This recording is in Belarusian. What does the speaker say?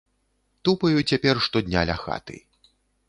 Тупаю цяпер штодня ля хаты.